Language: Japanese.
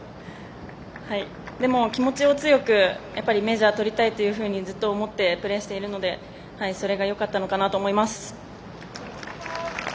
でも、気持ちを強くメジャーをとりたいというふうにずっとプレーしているのでそれがよかったのかなと思います。